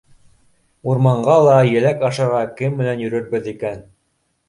Урманға ла еләк ашарға кем менән йөрөрбөҙ икән?